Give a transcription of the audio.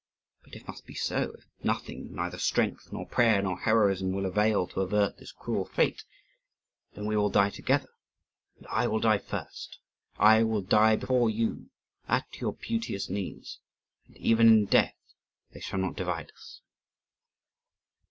But if it must be so; if nothing, neither strength, nor prayer, nor heroism, will avail to avert this cruel fate then we will die together, and I will die first. I will die before you, at your beauteous knees, and even in death they shall not divide us."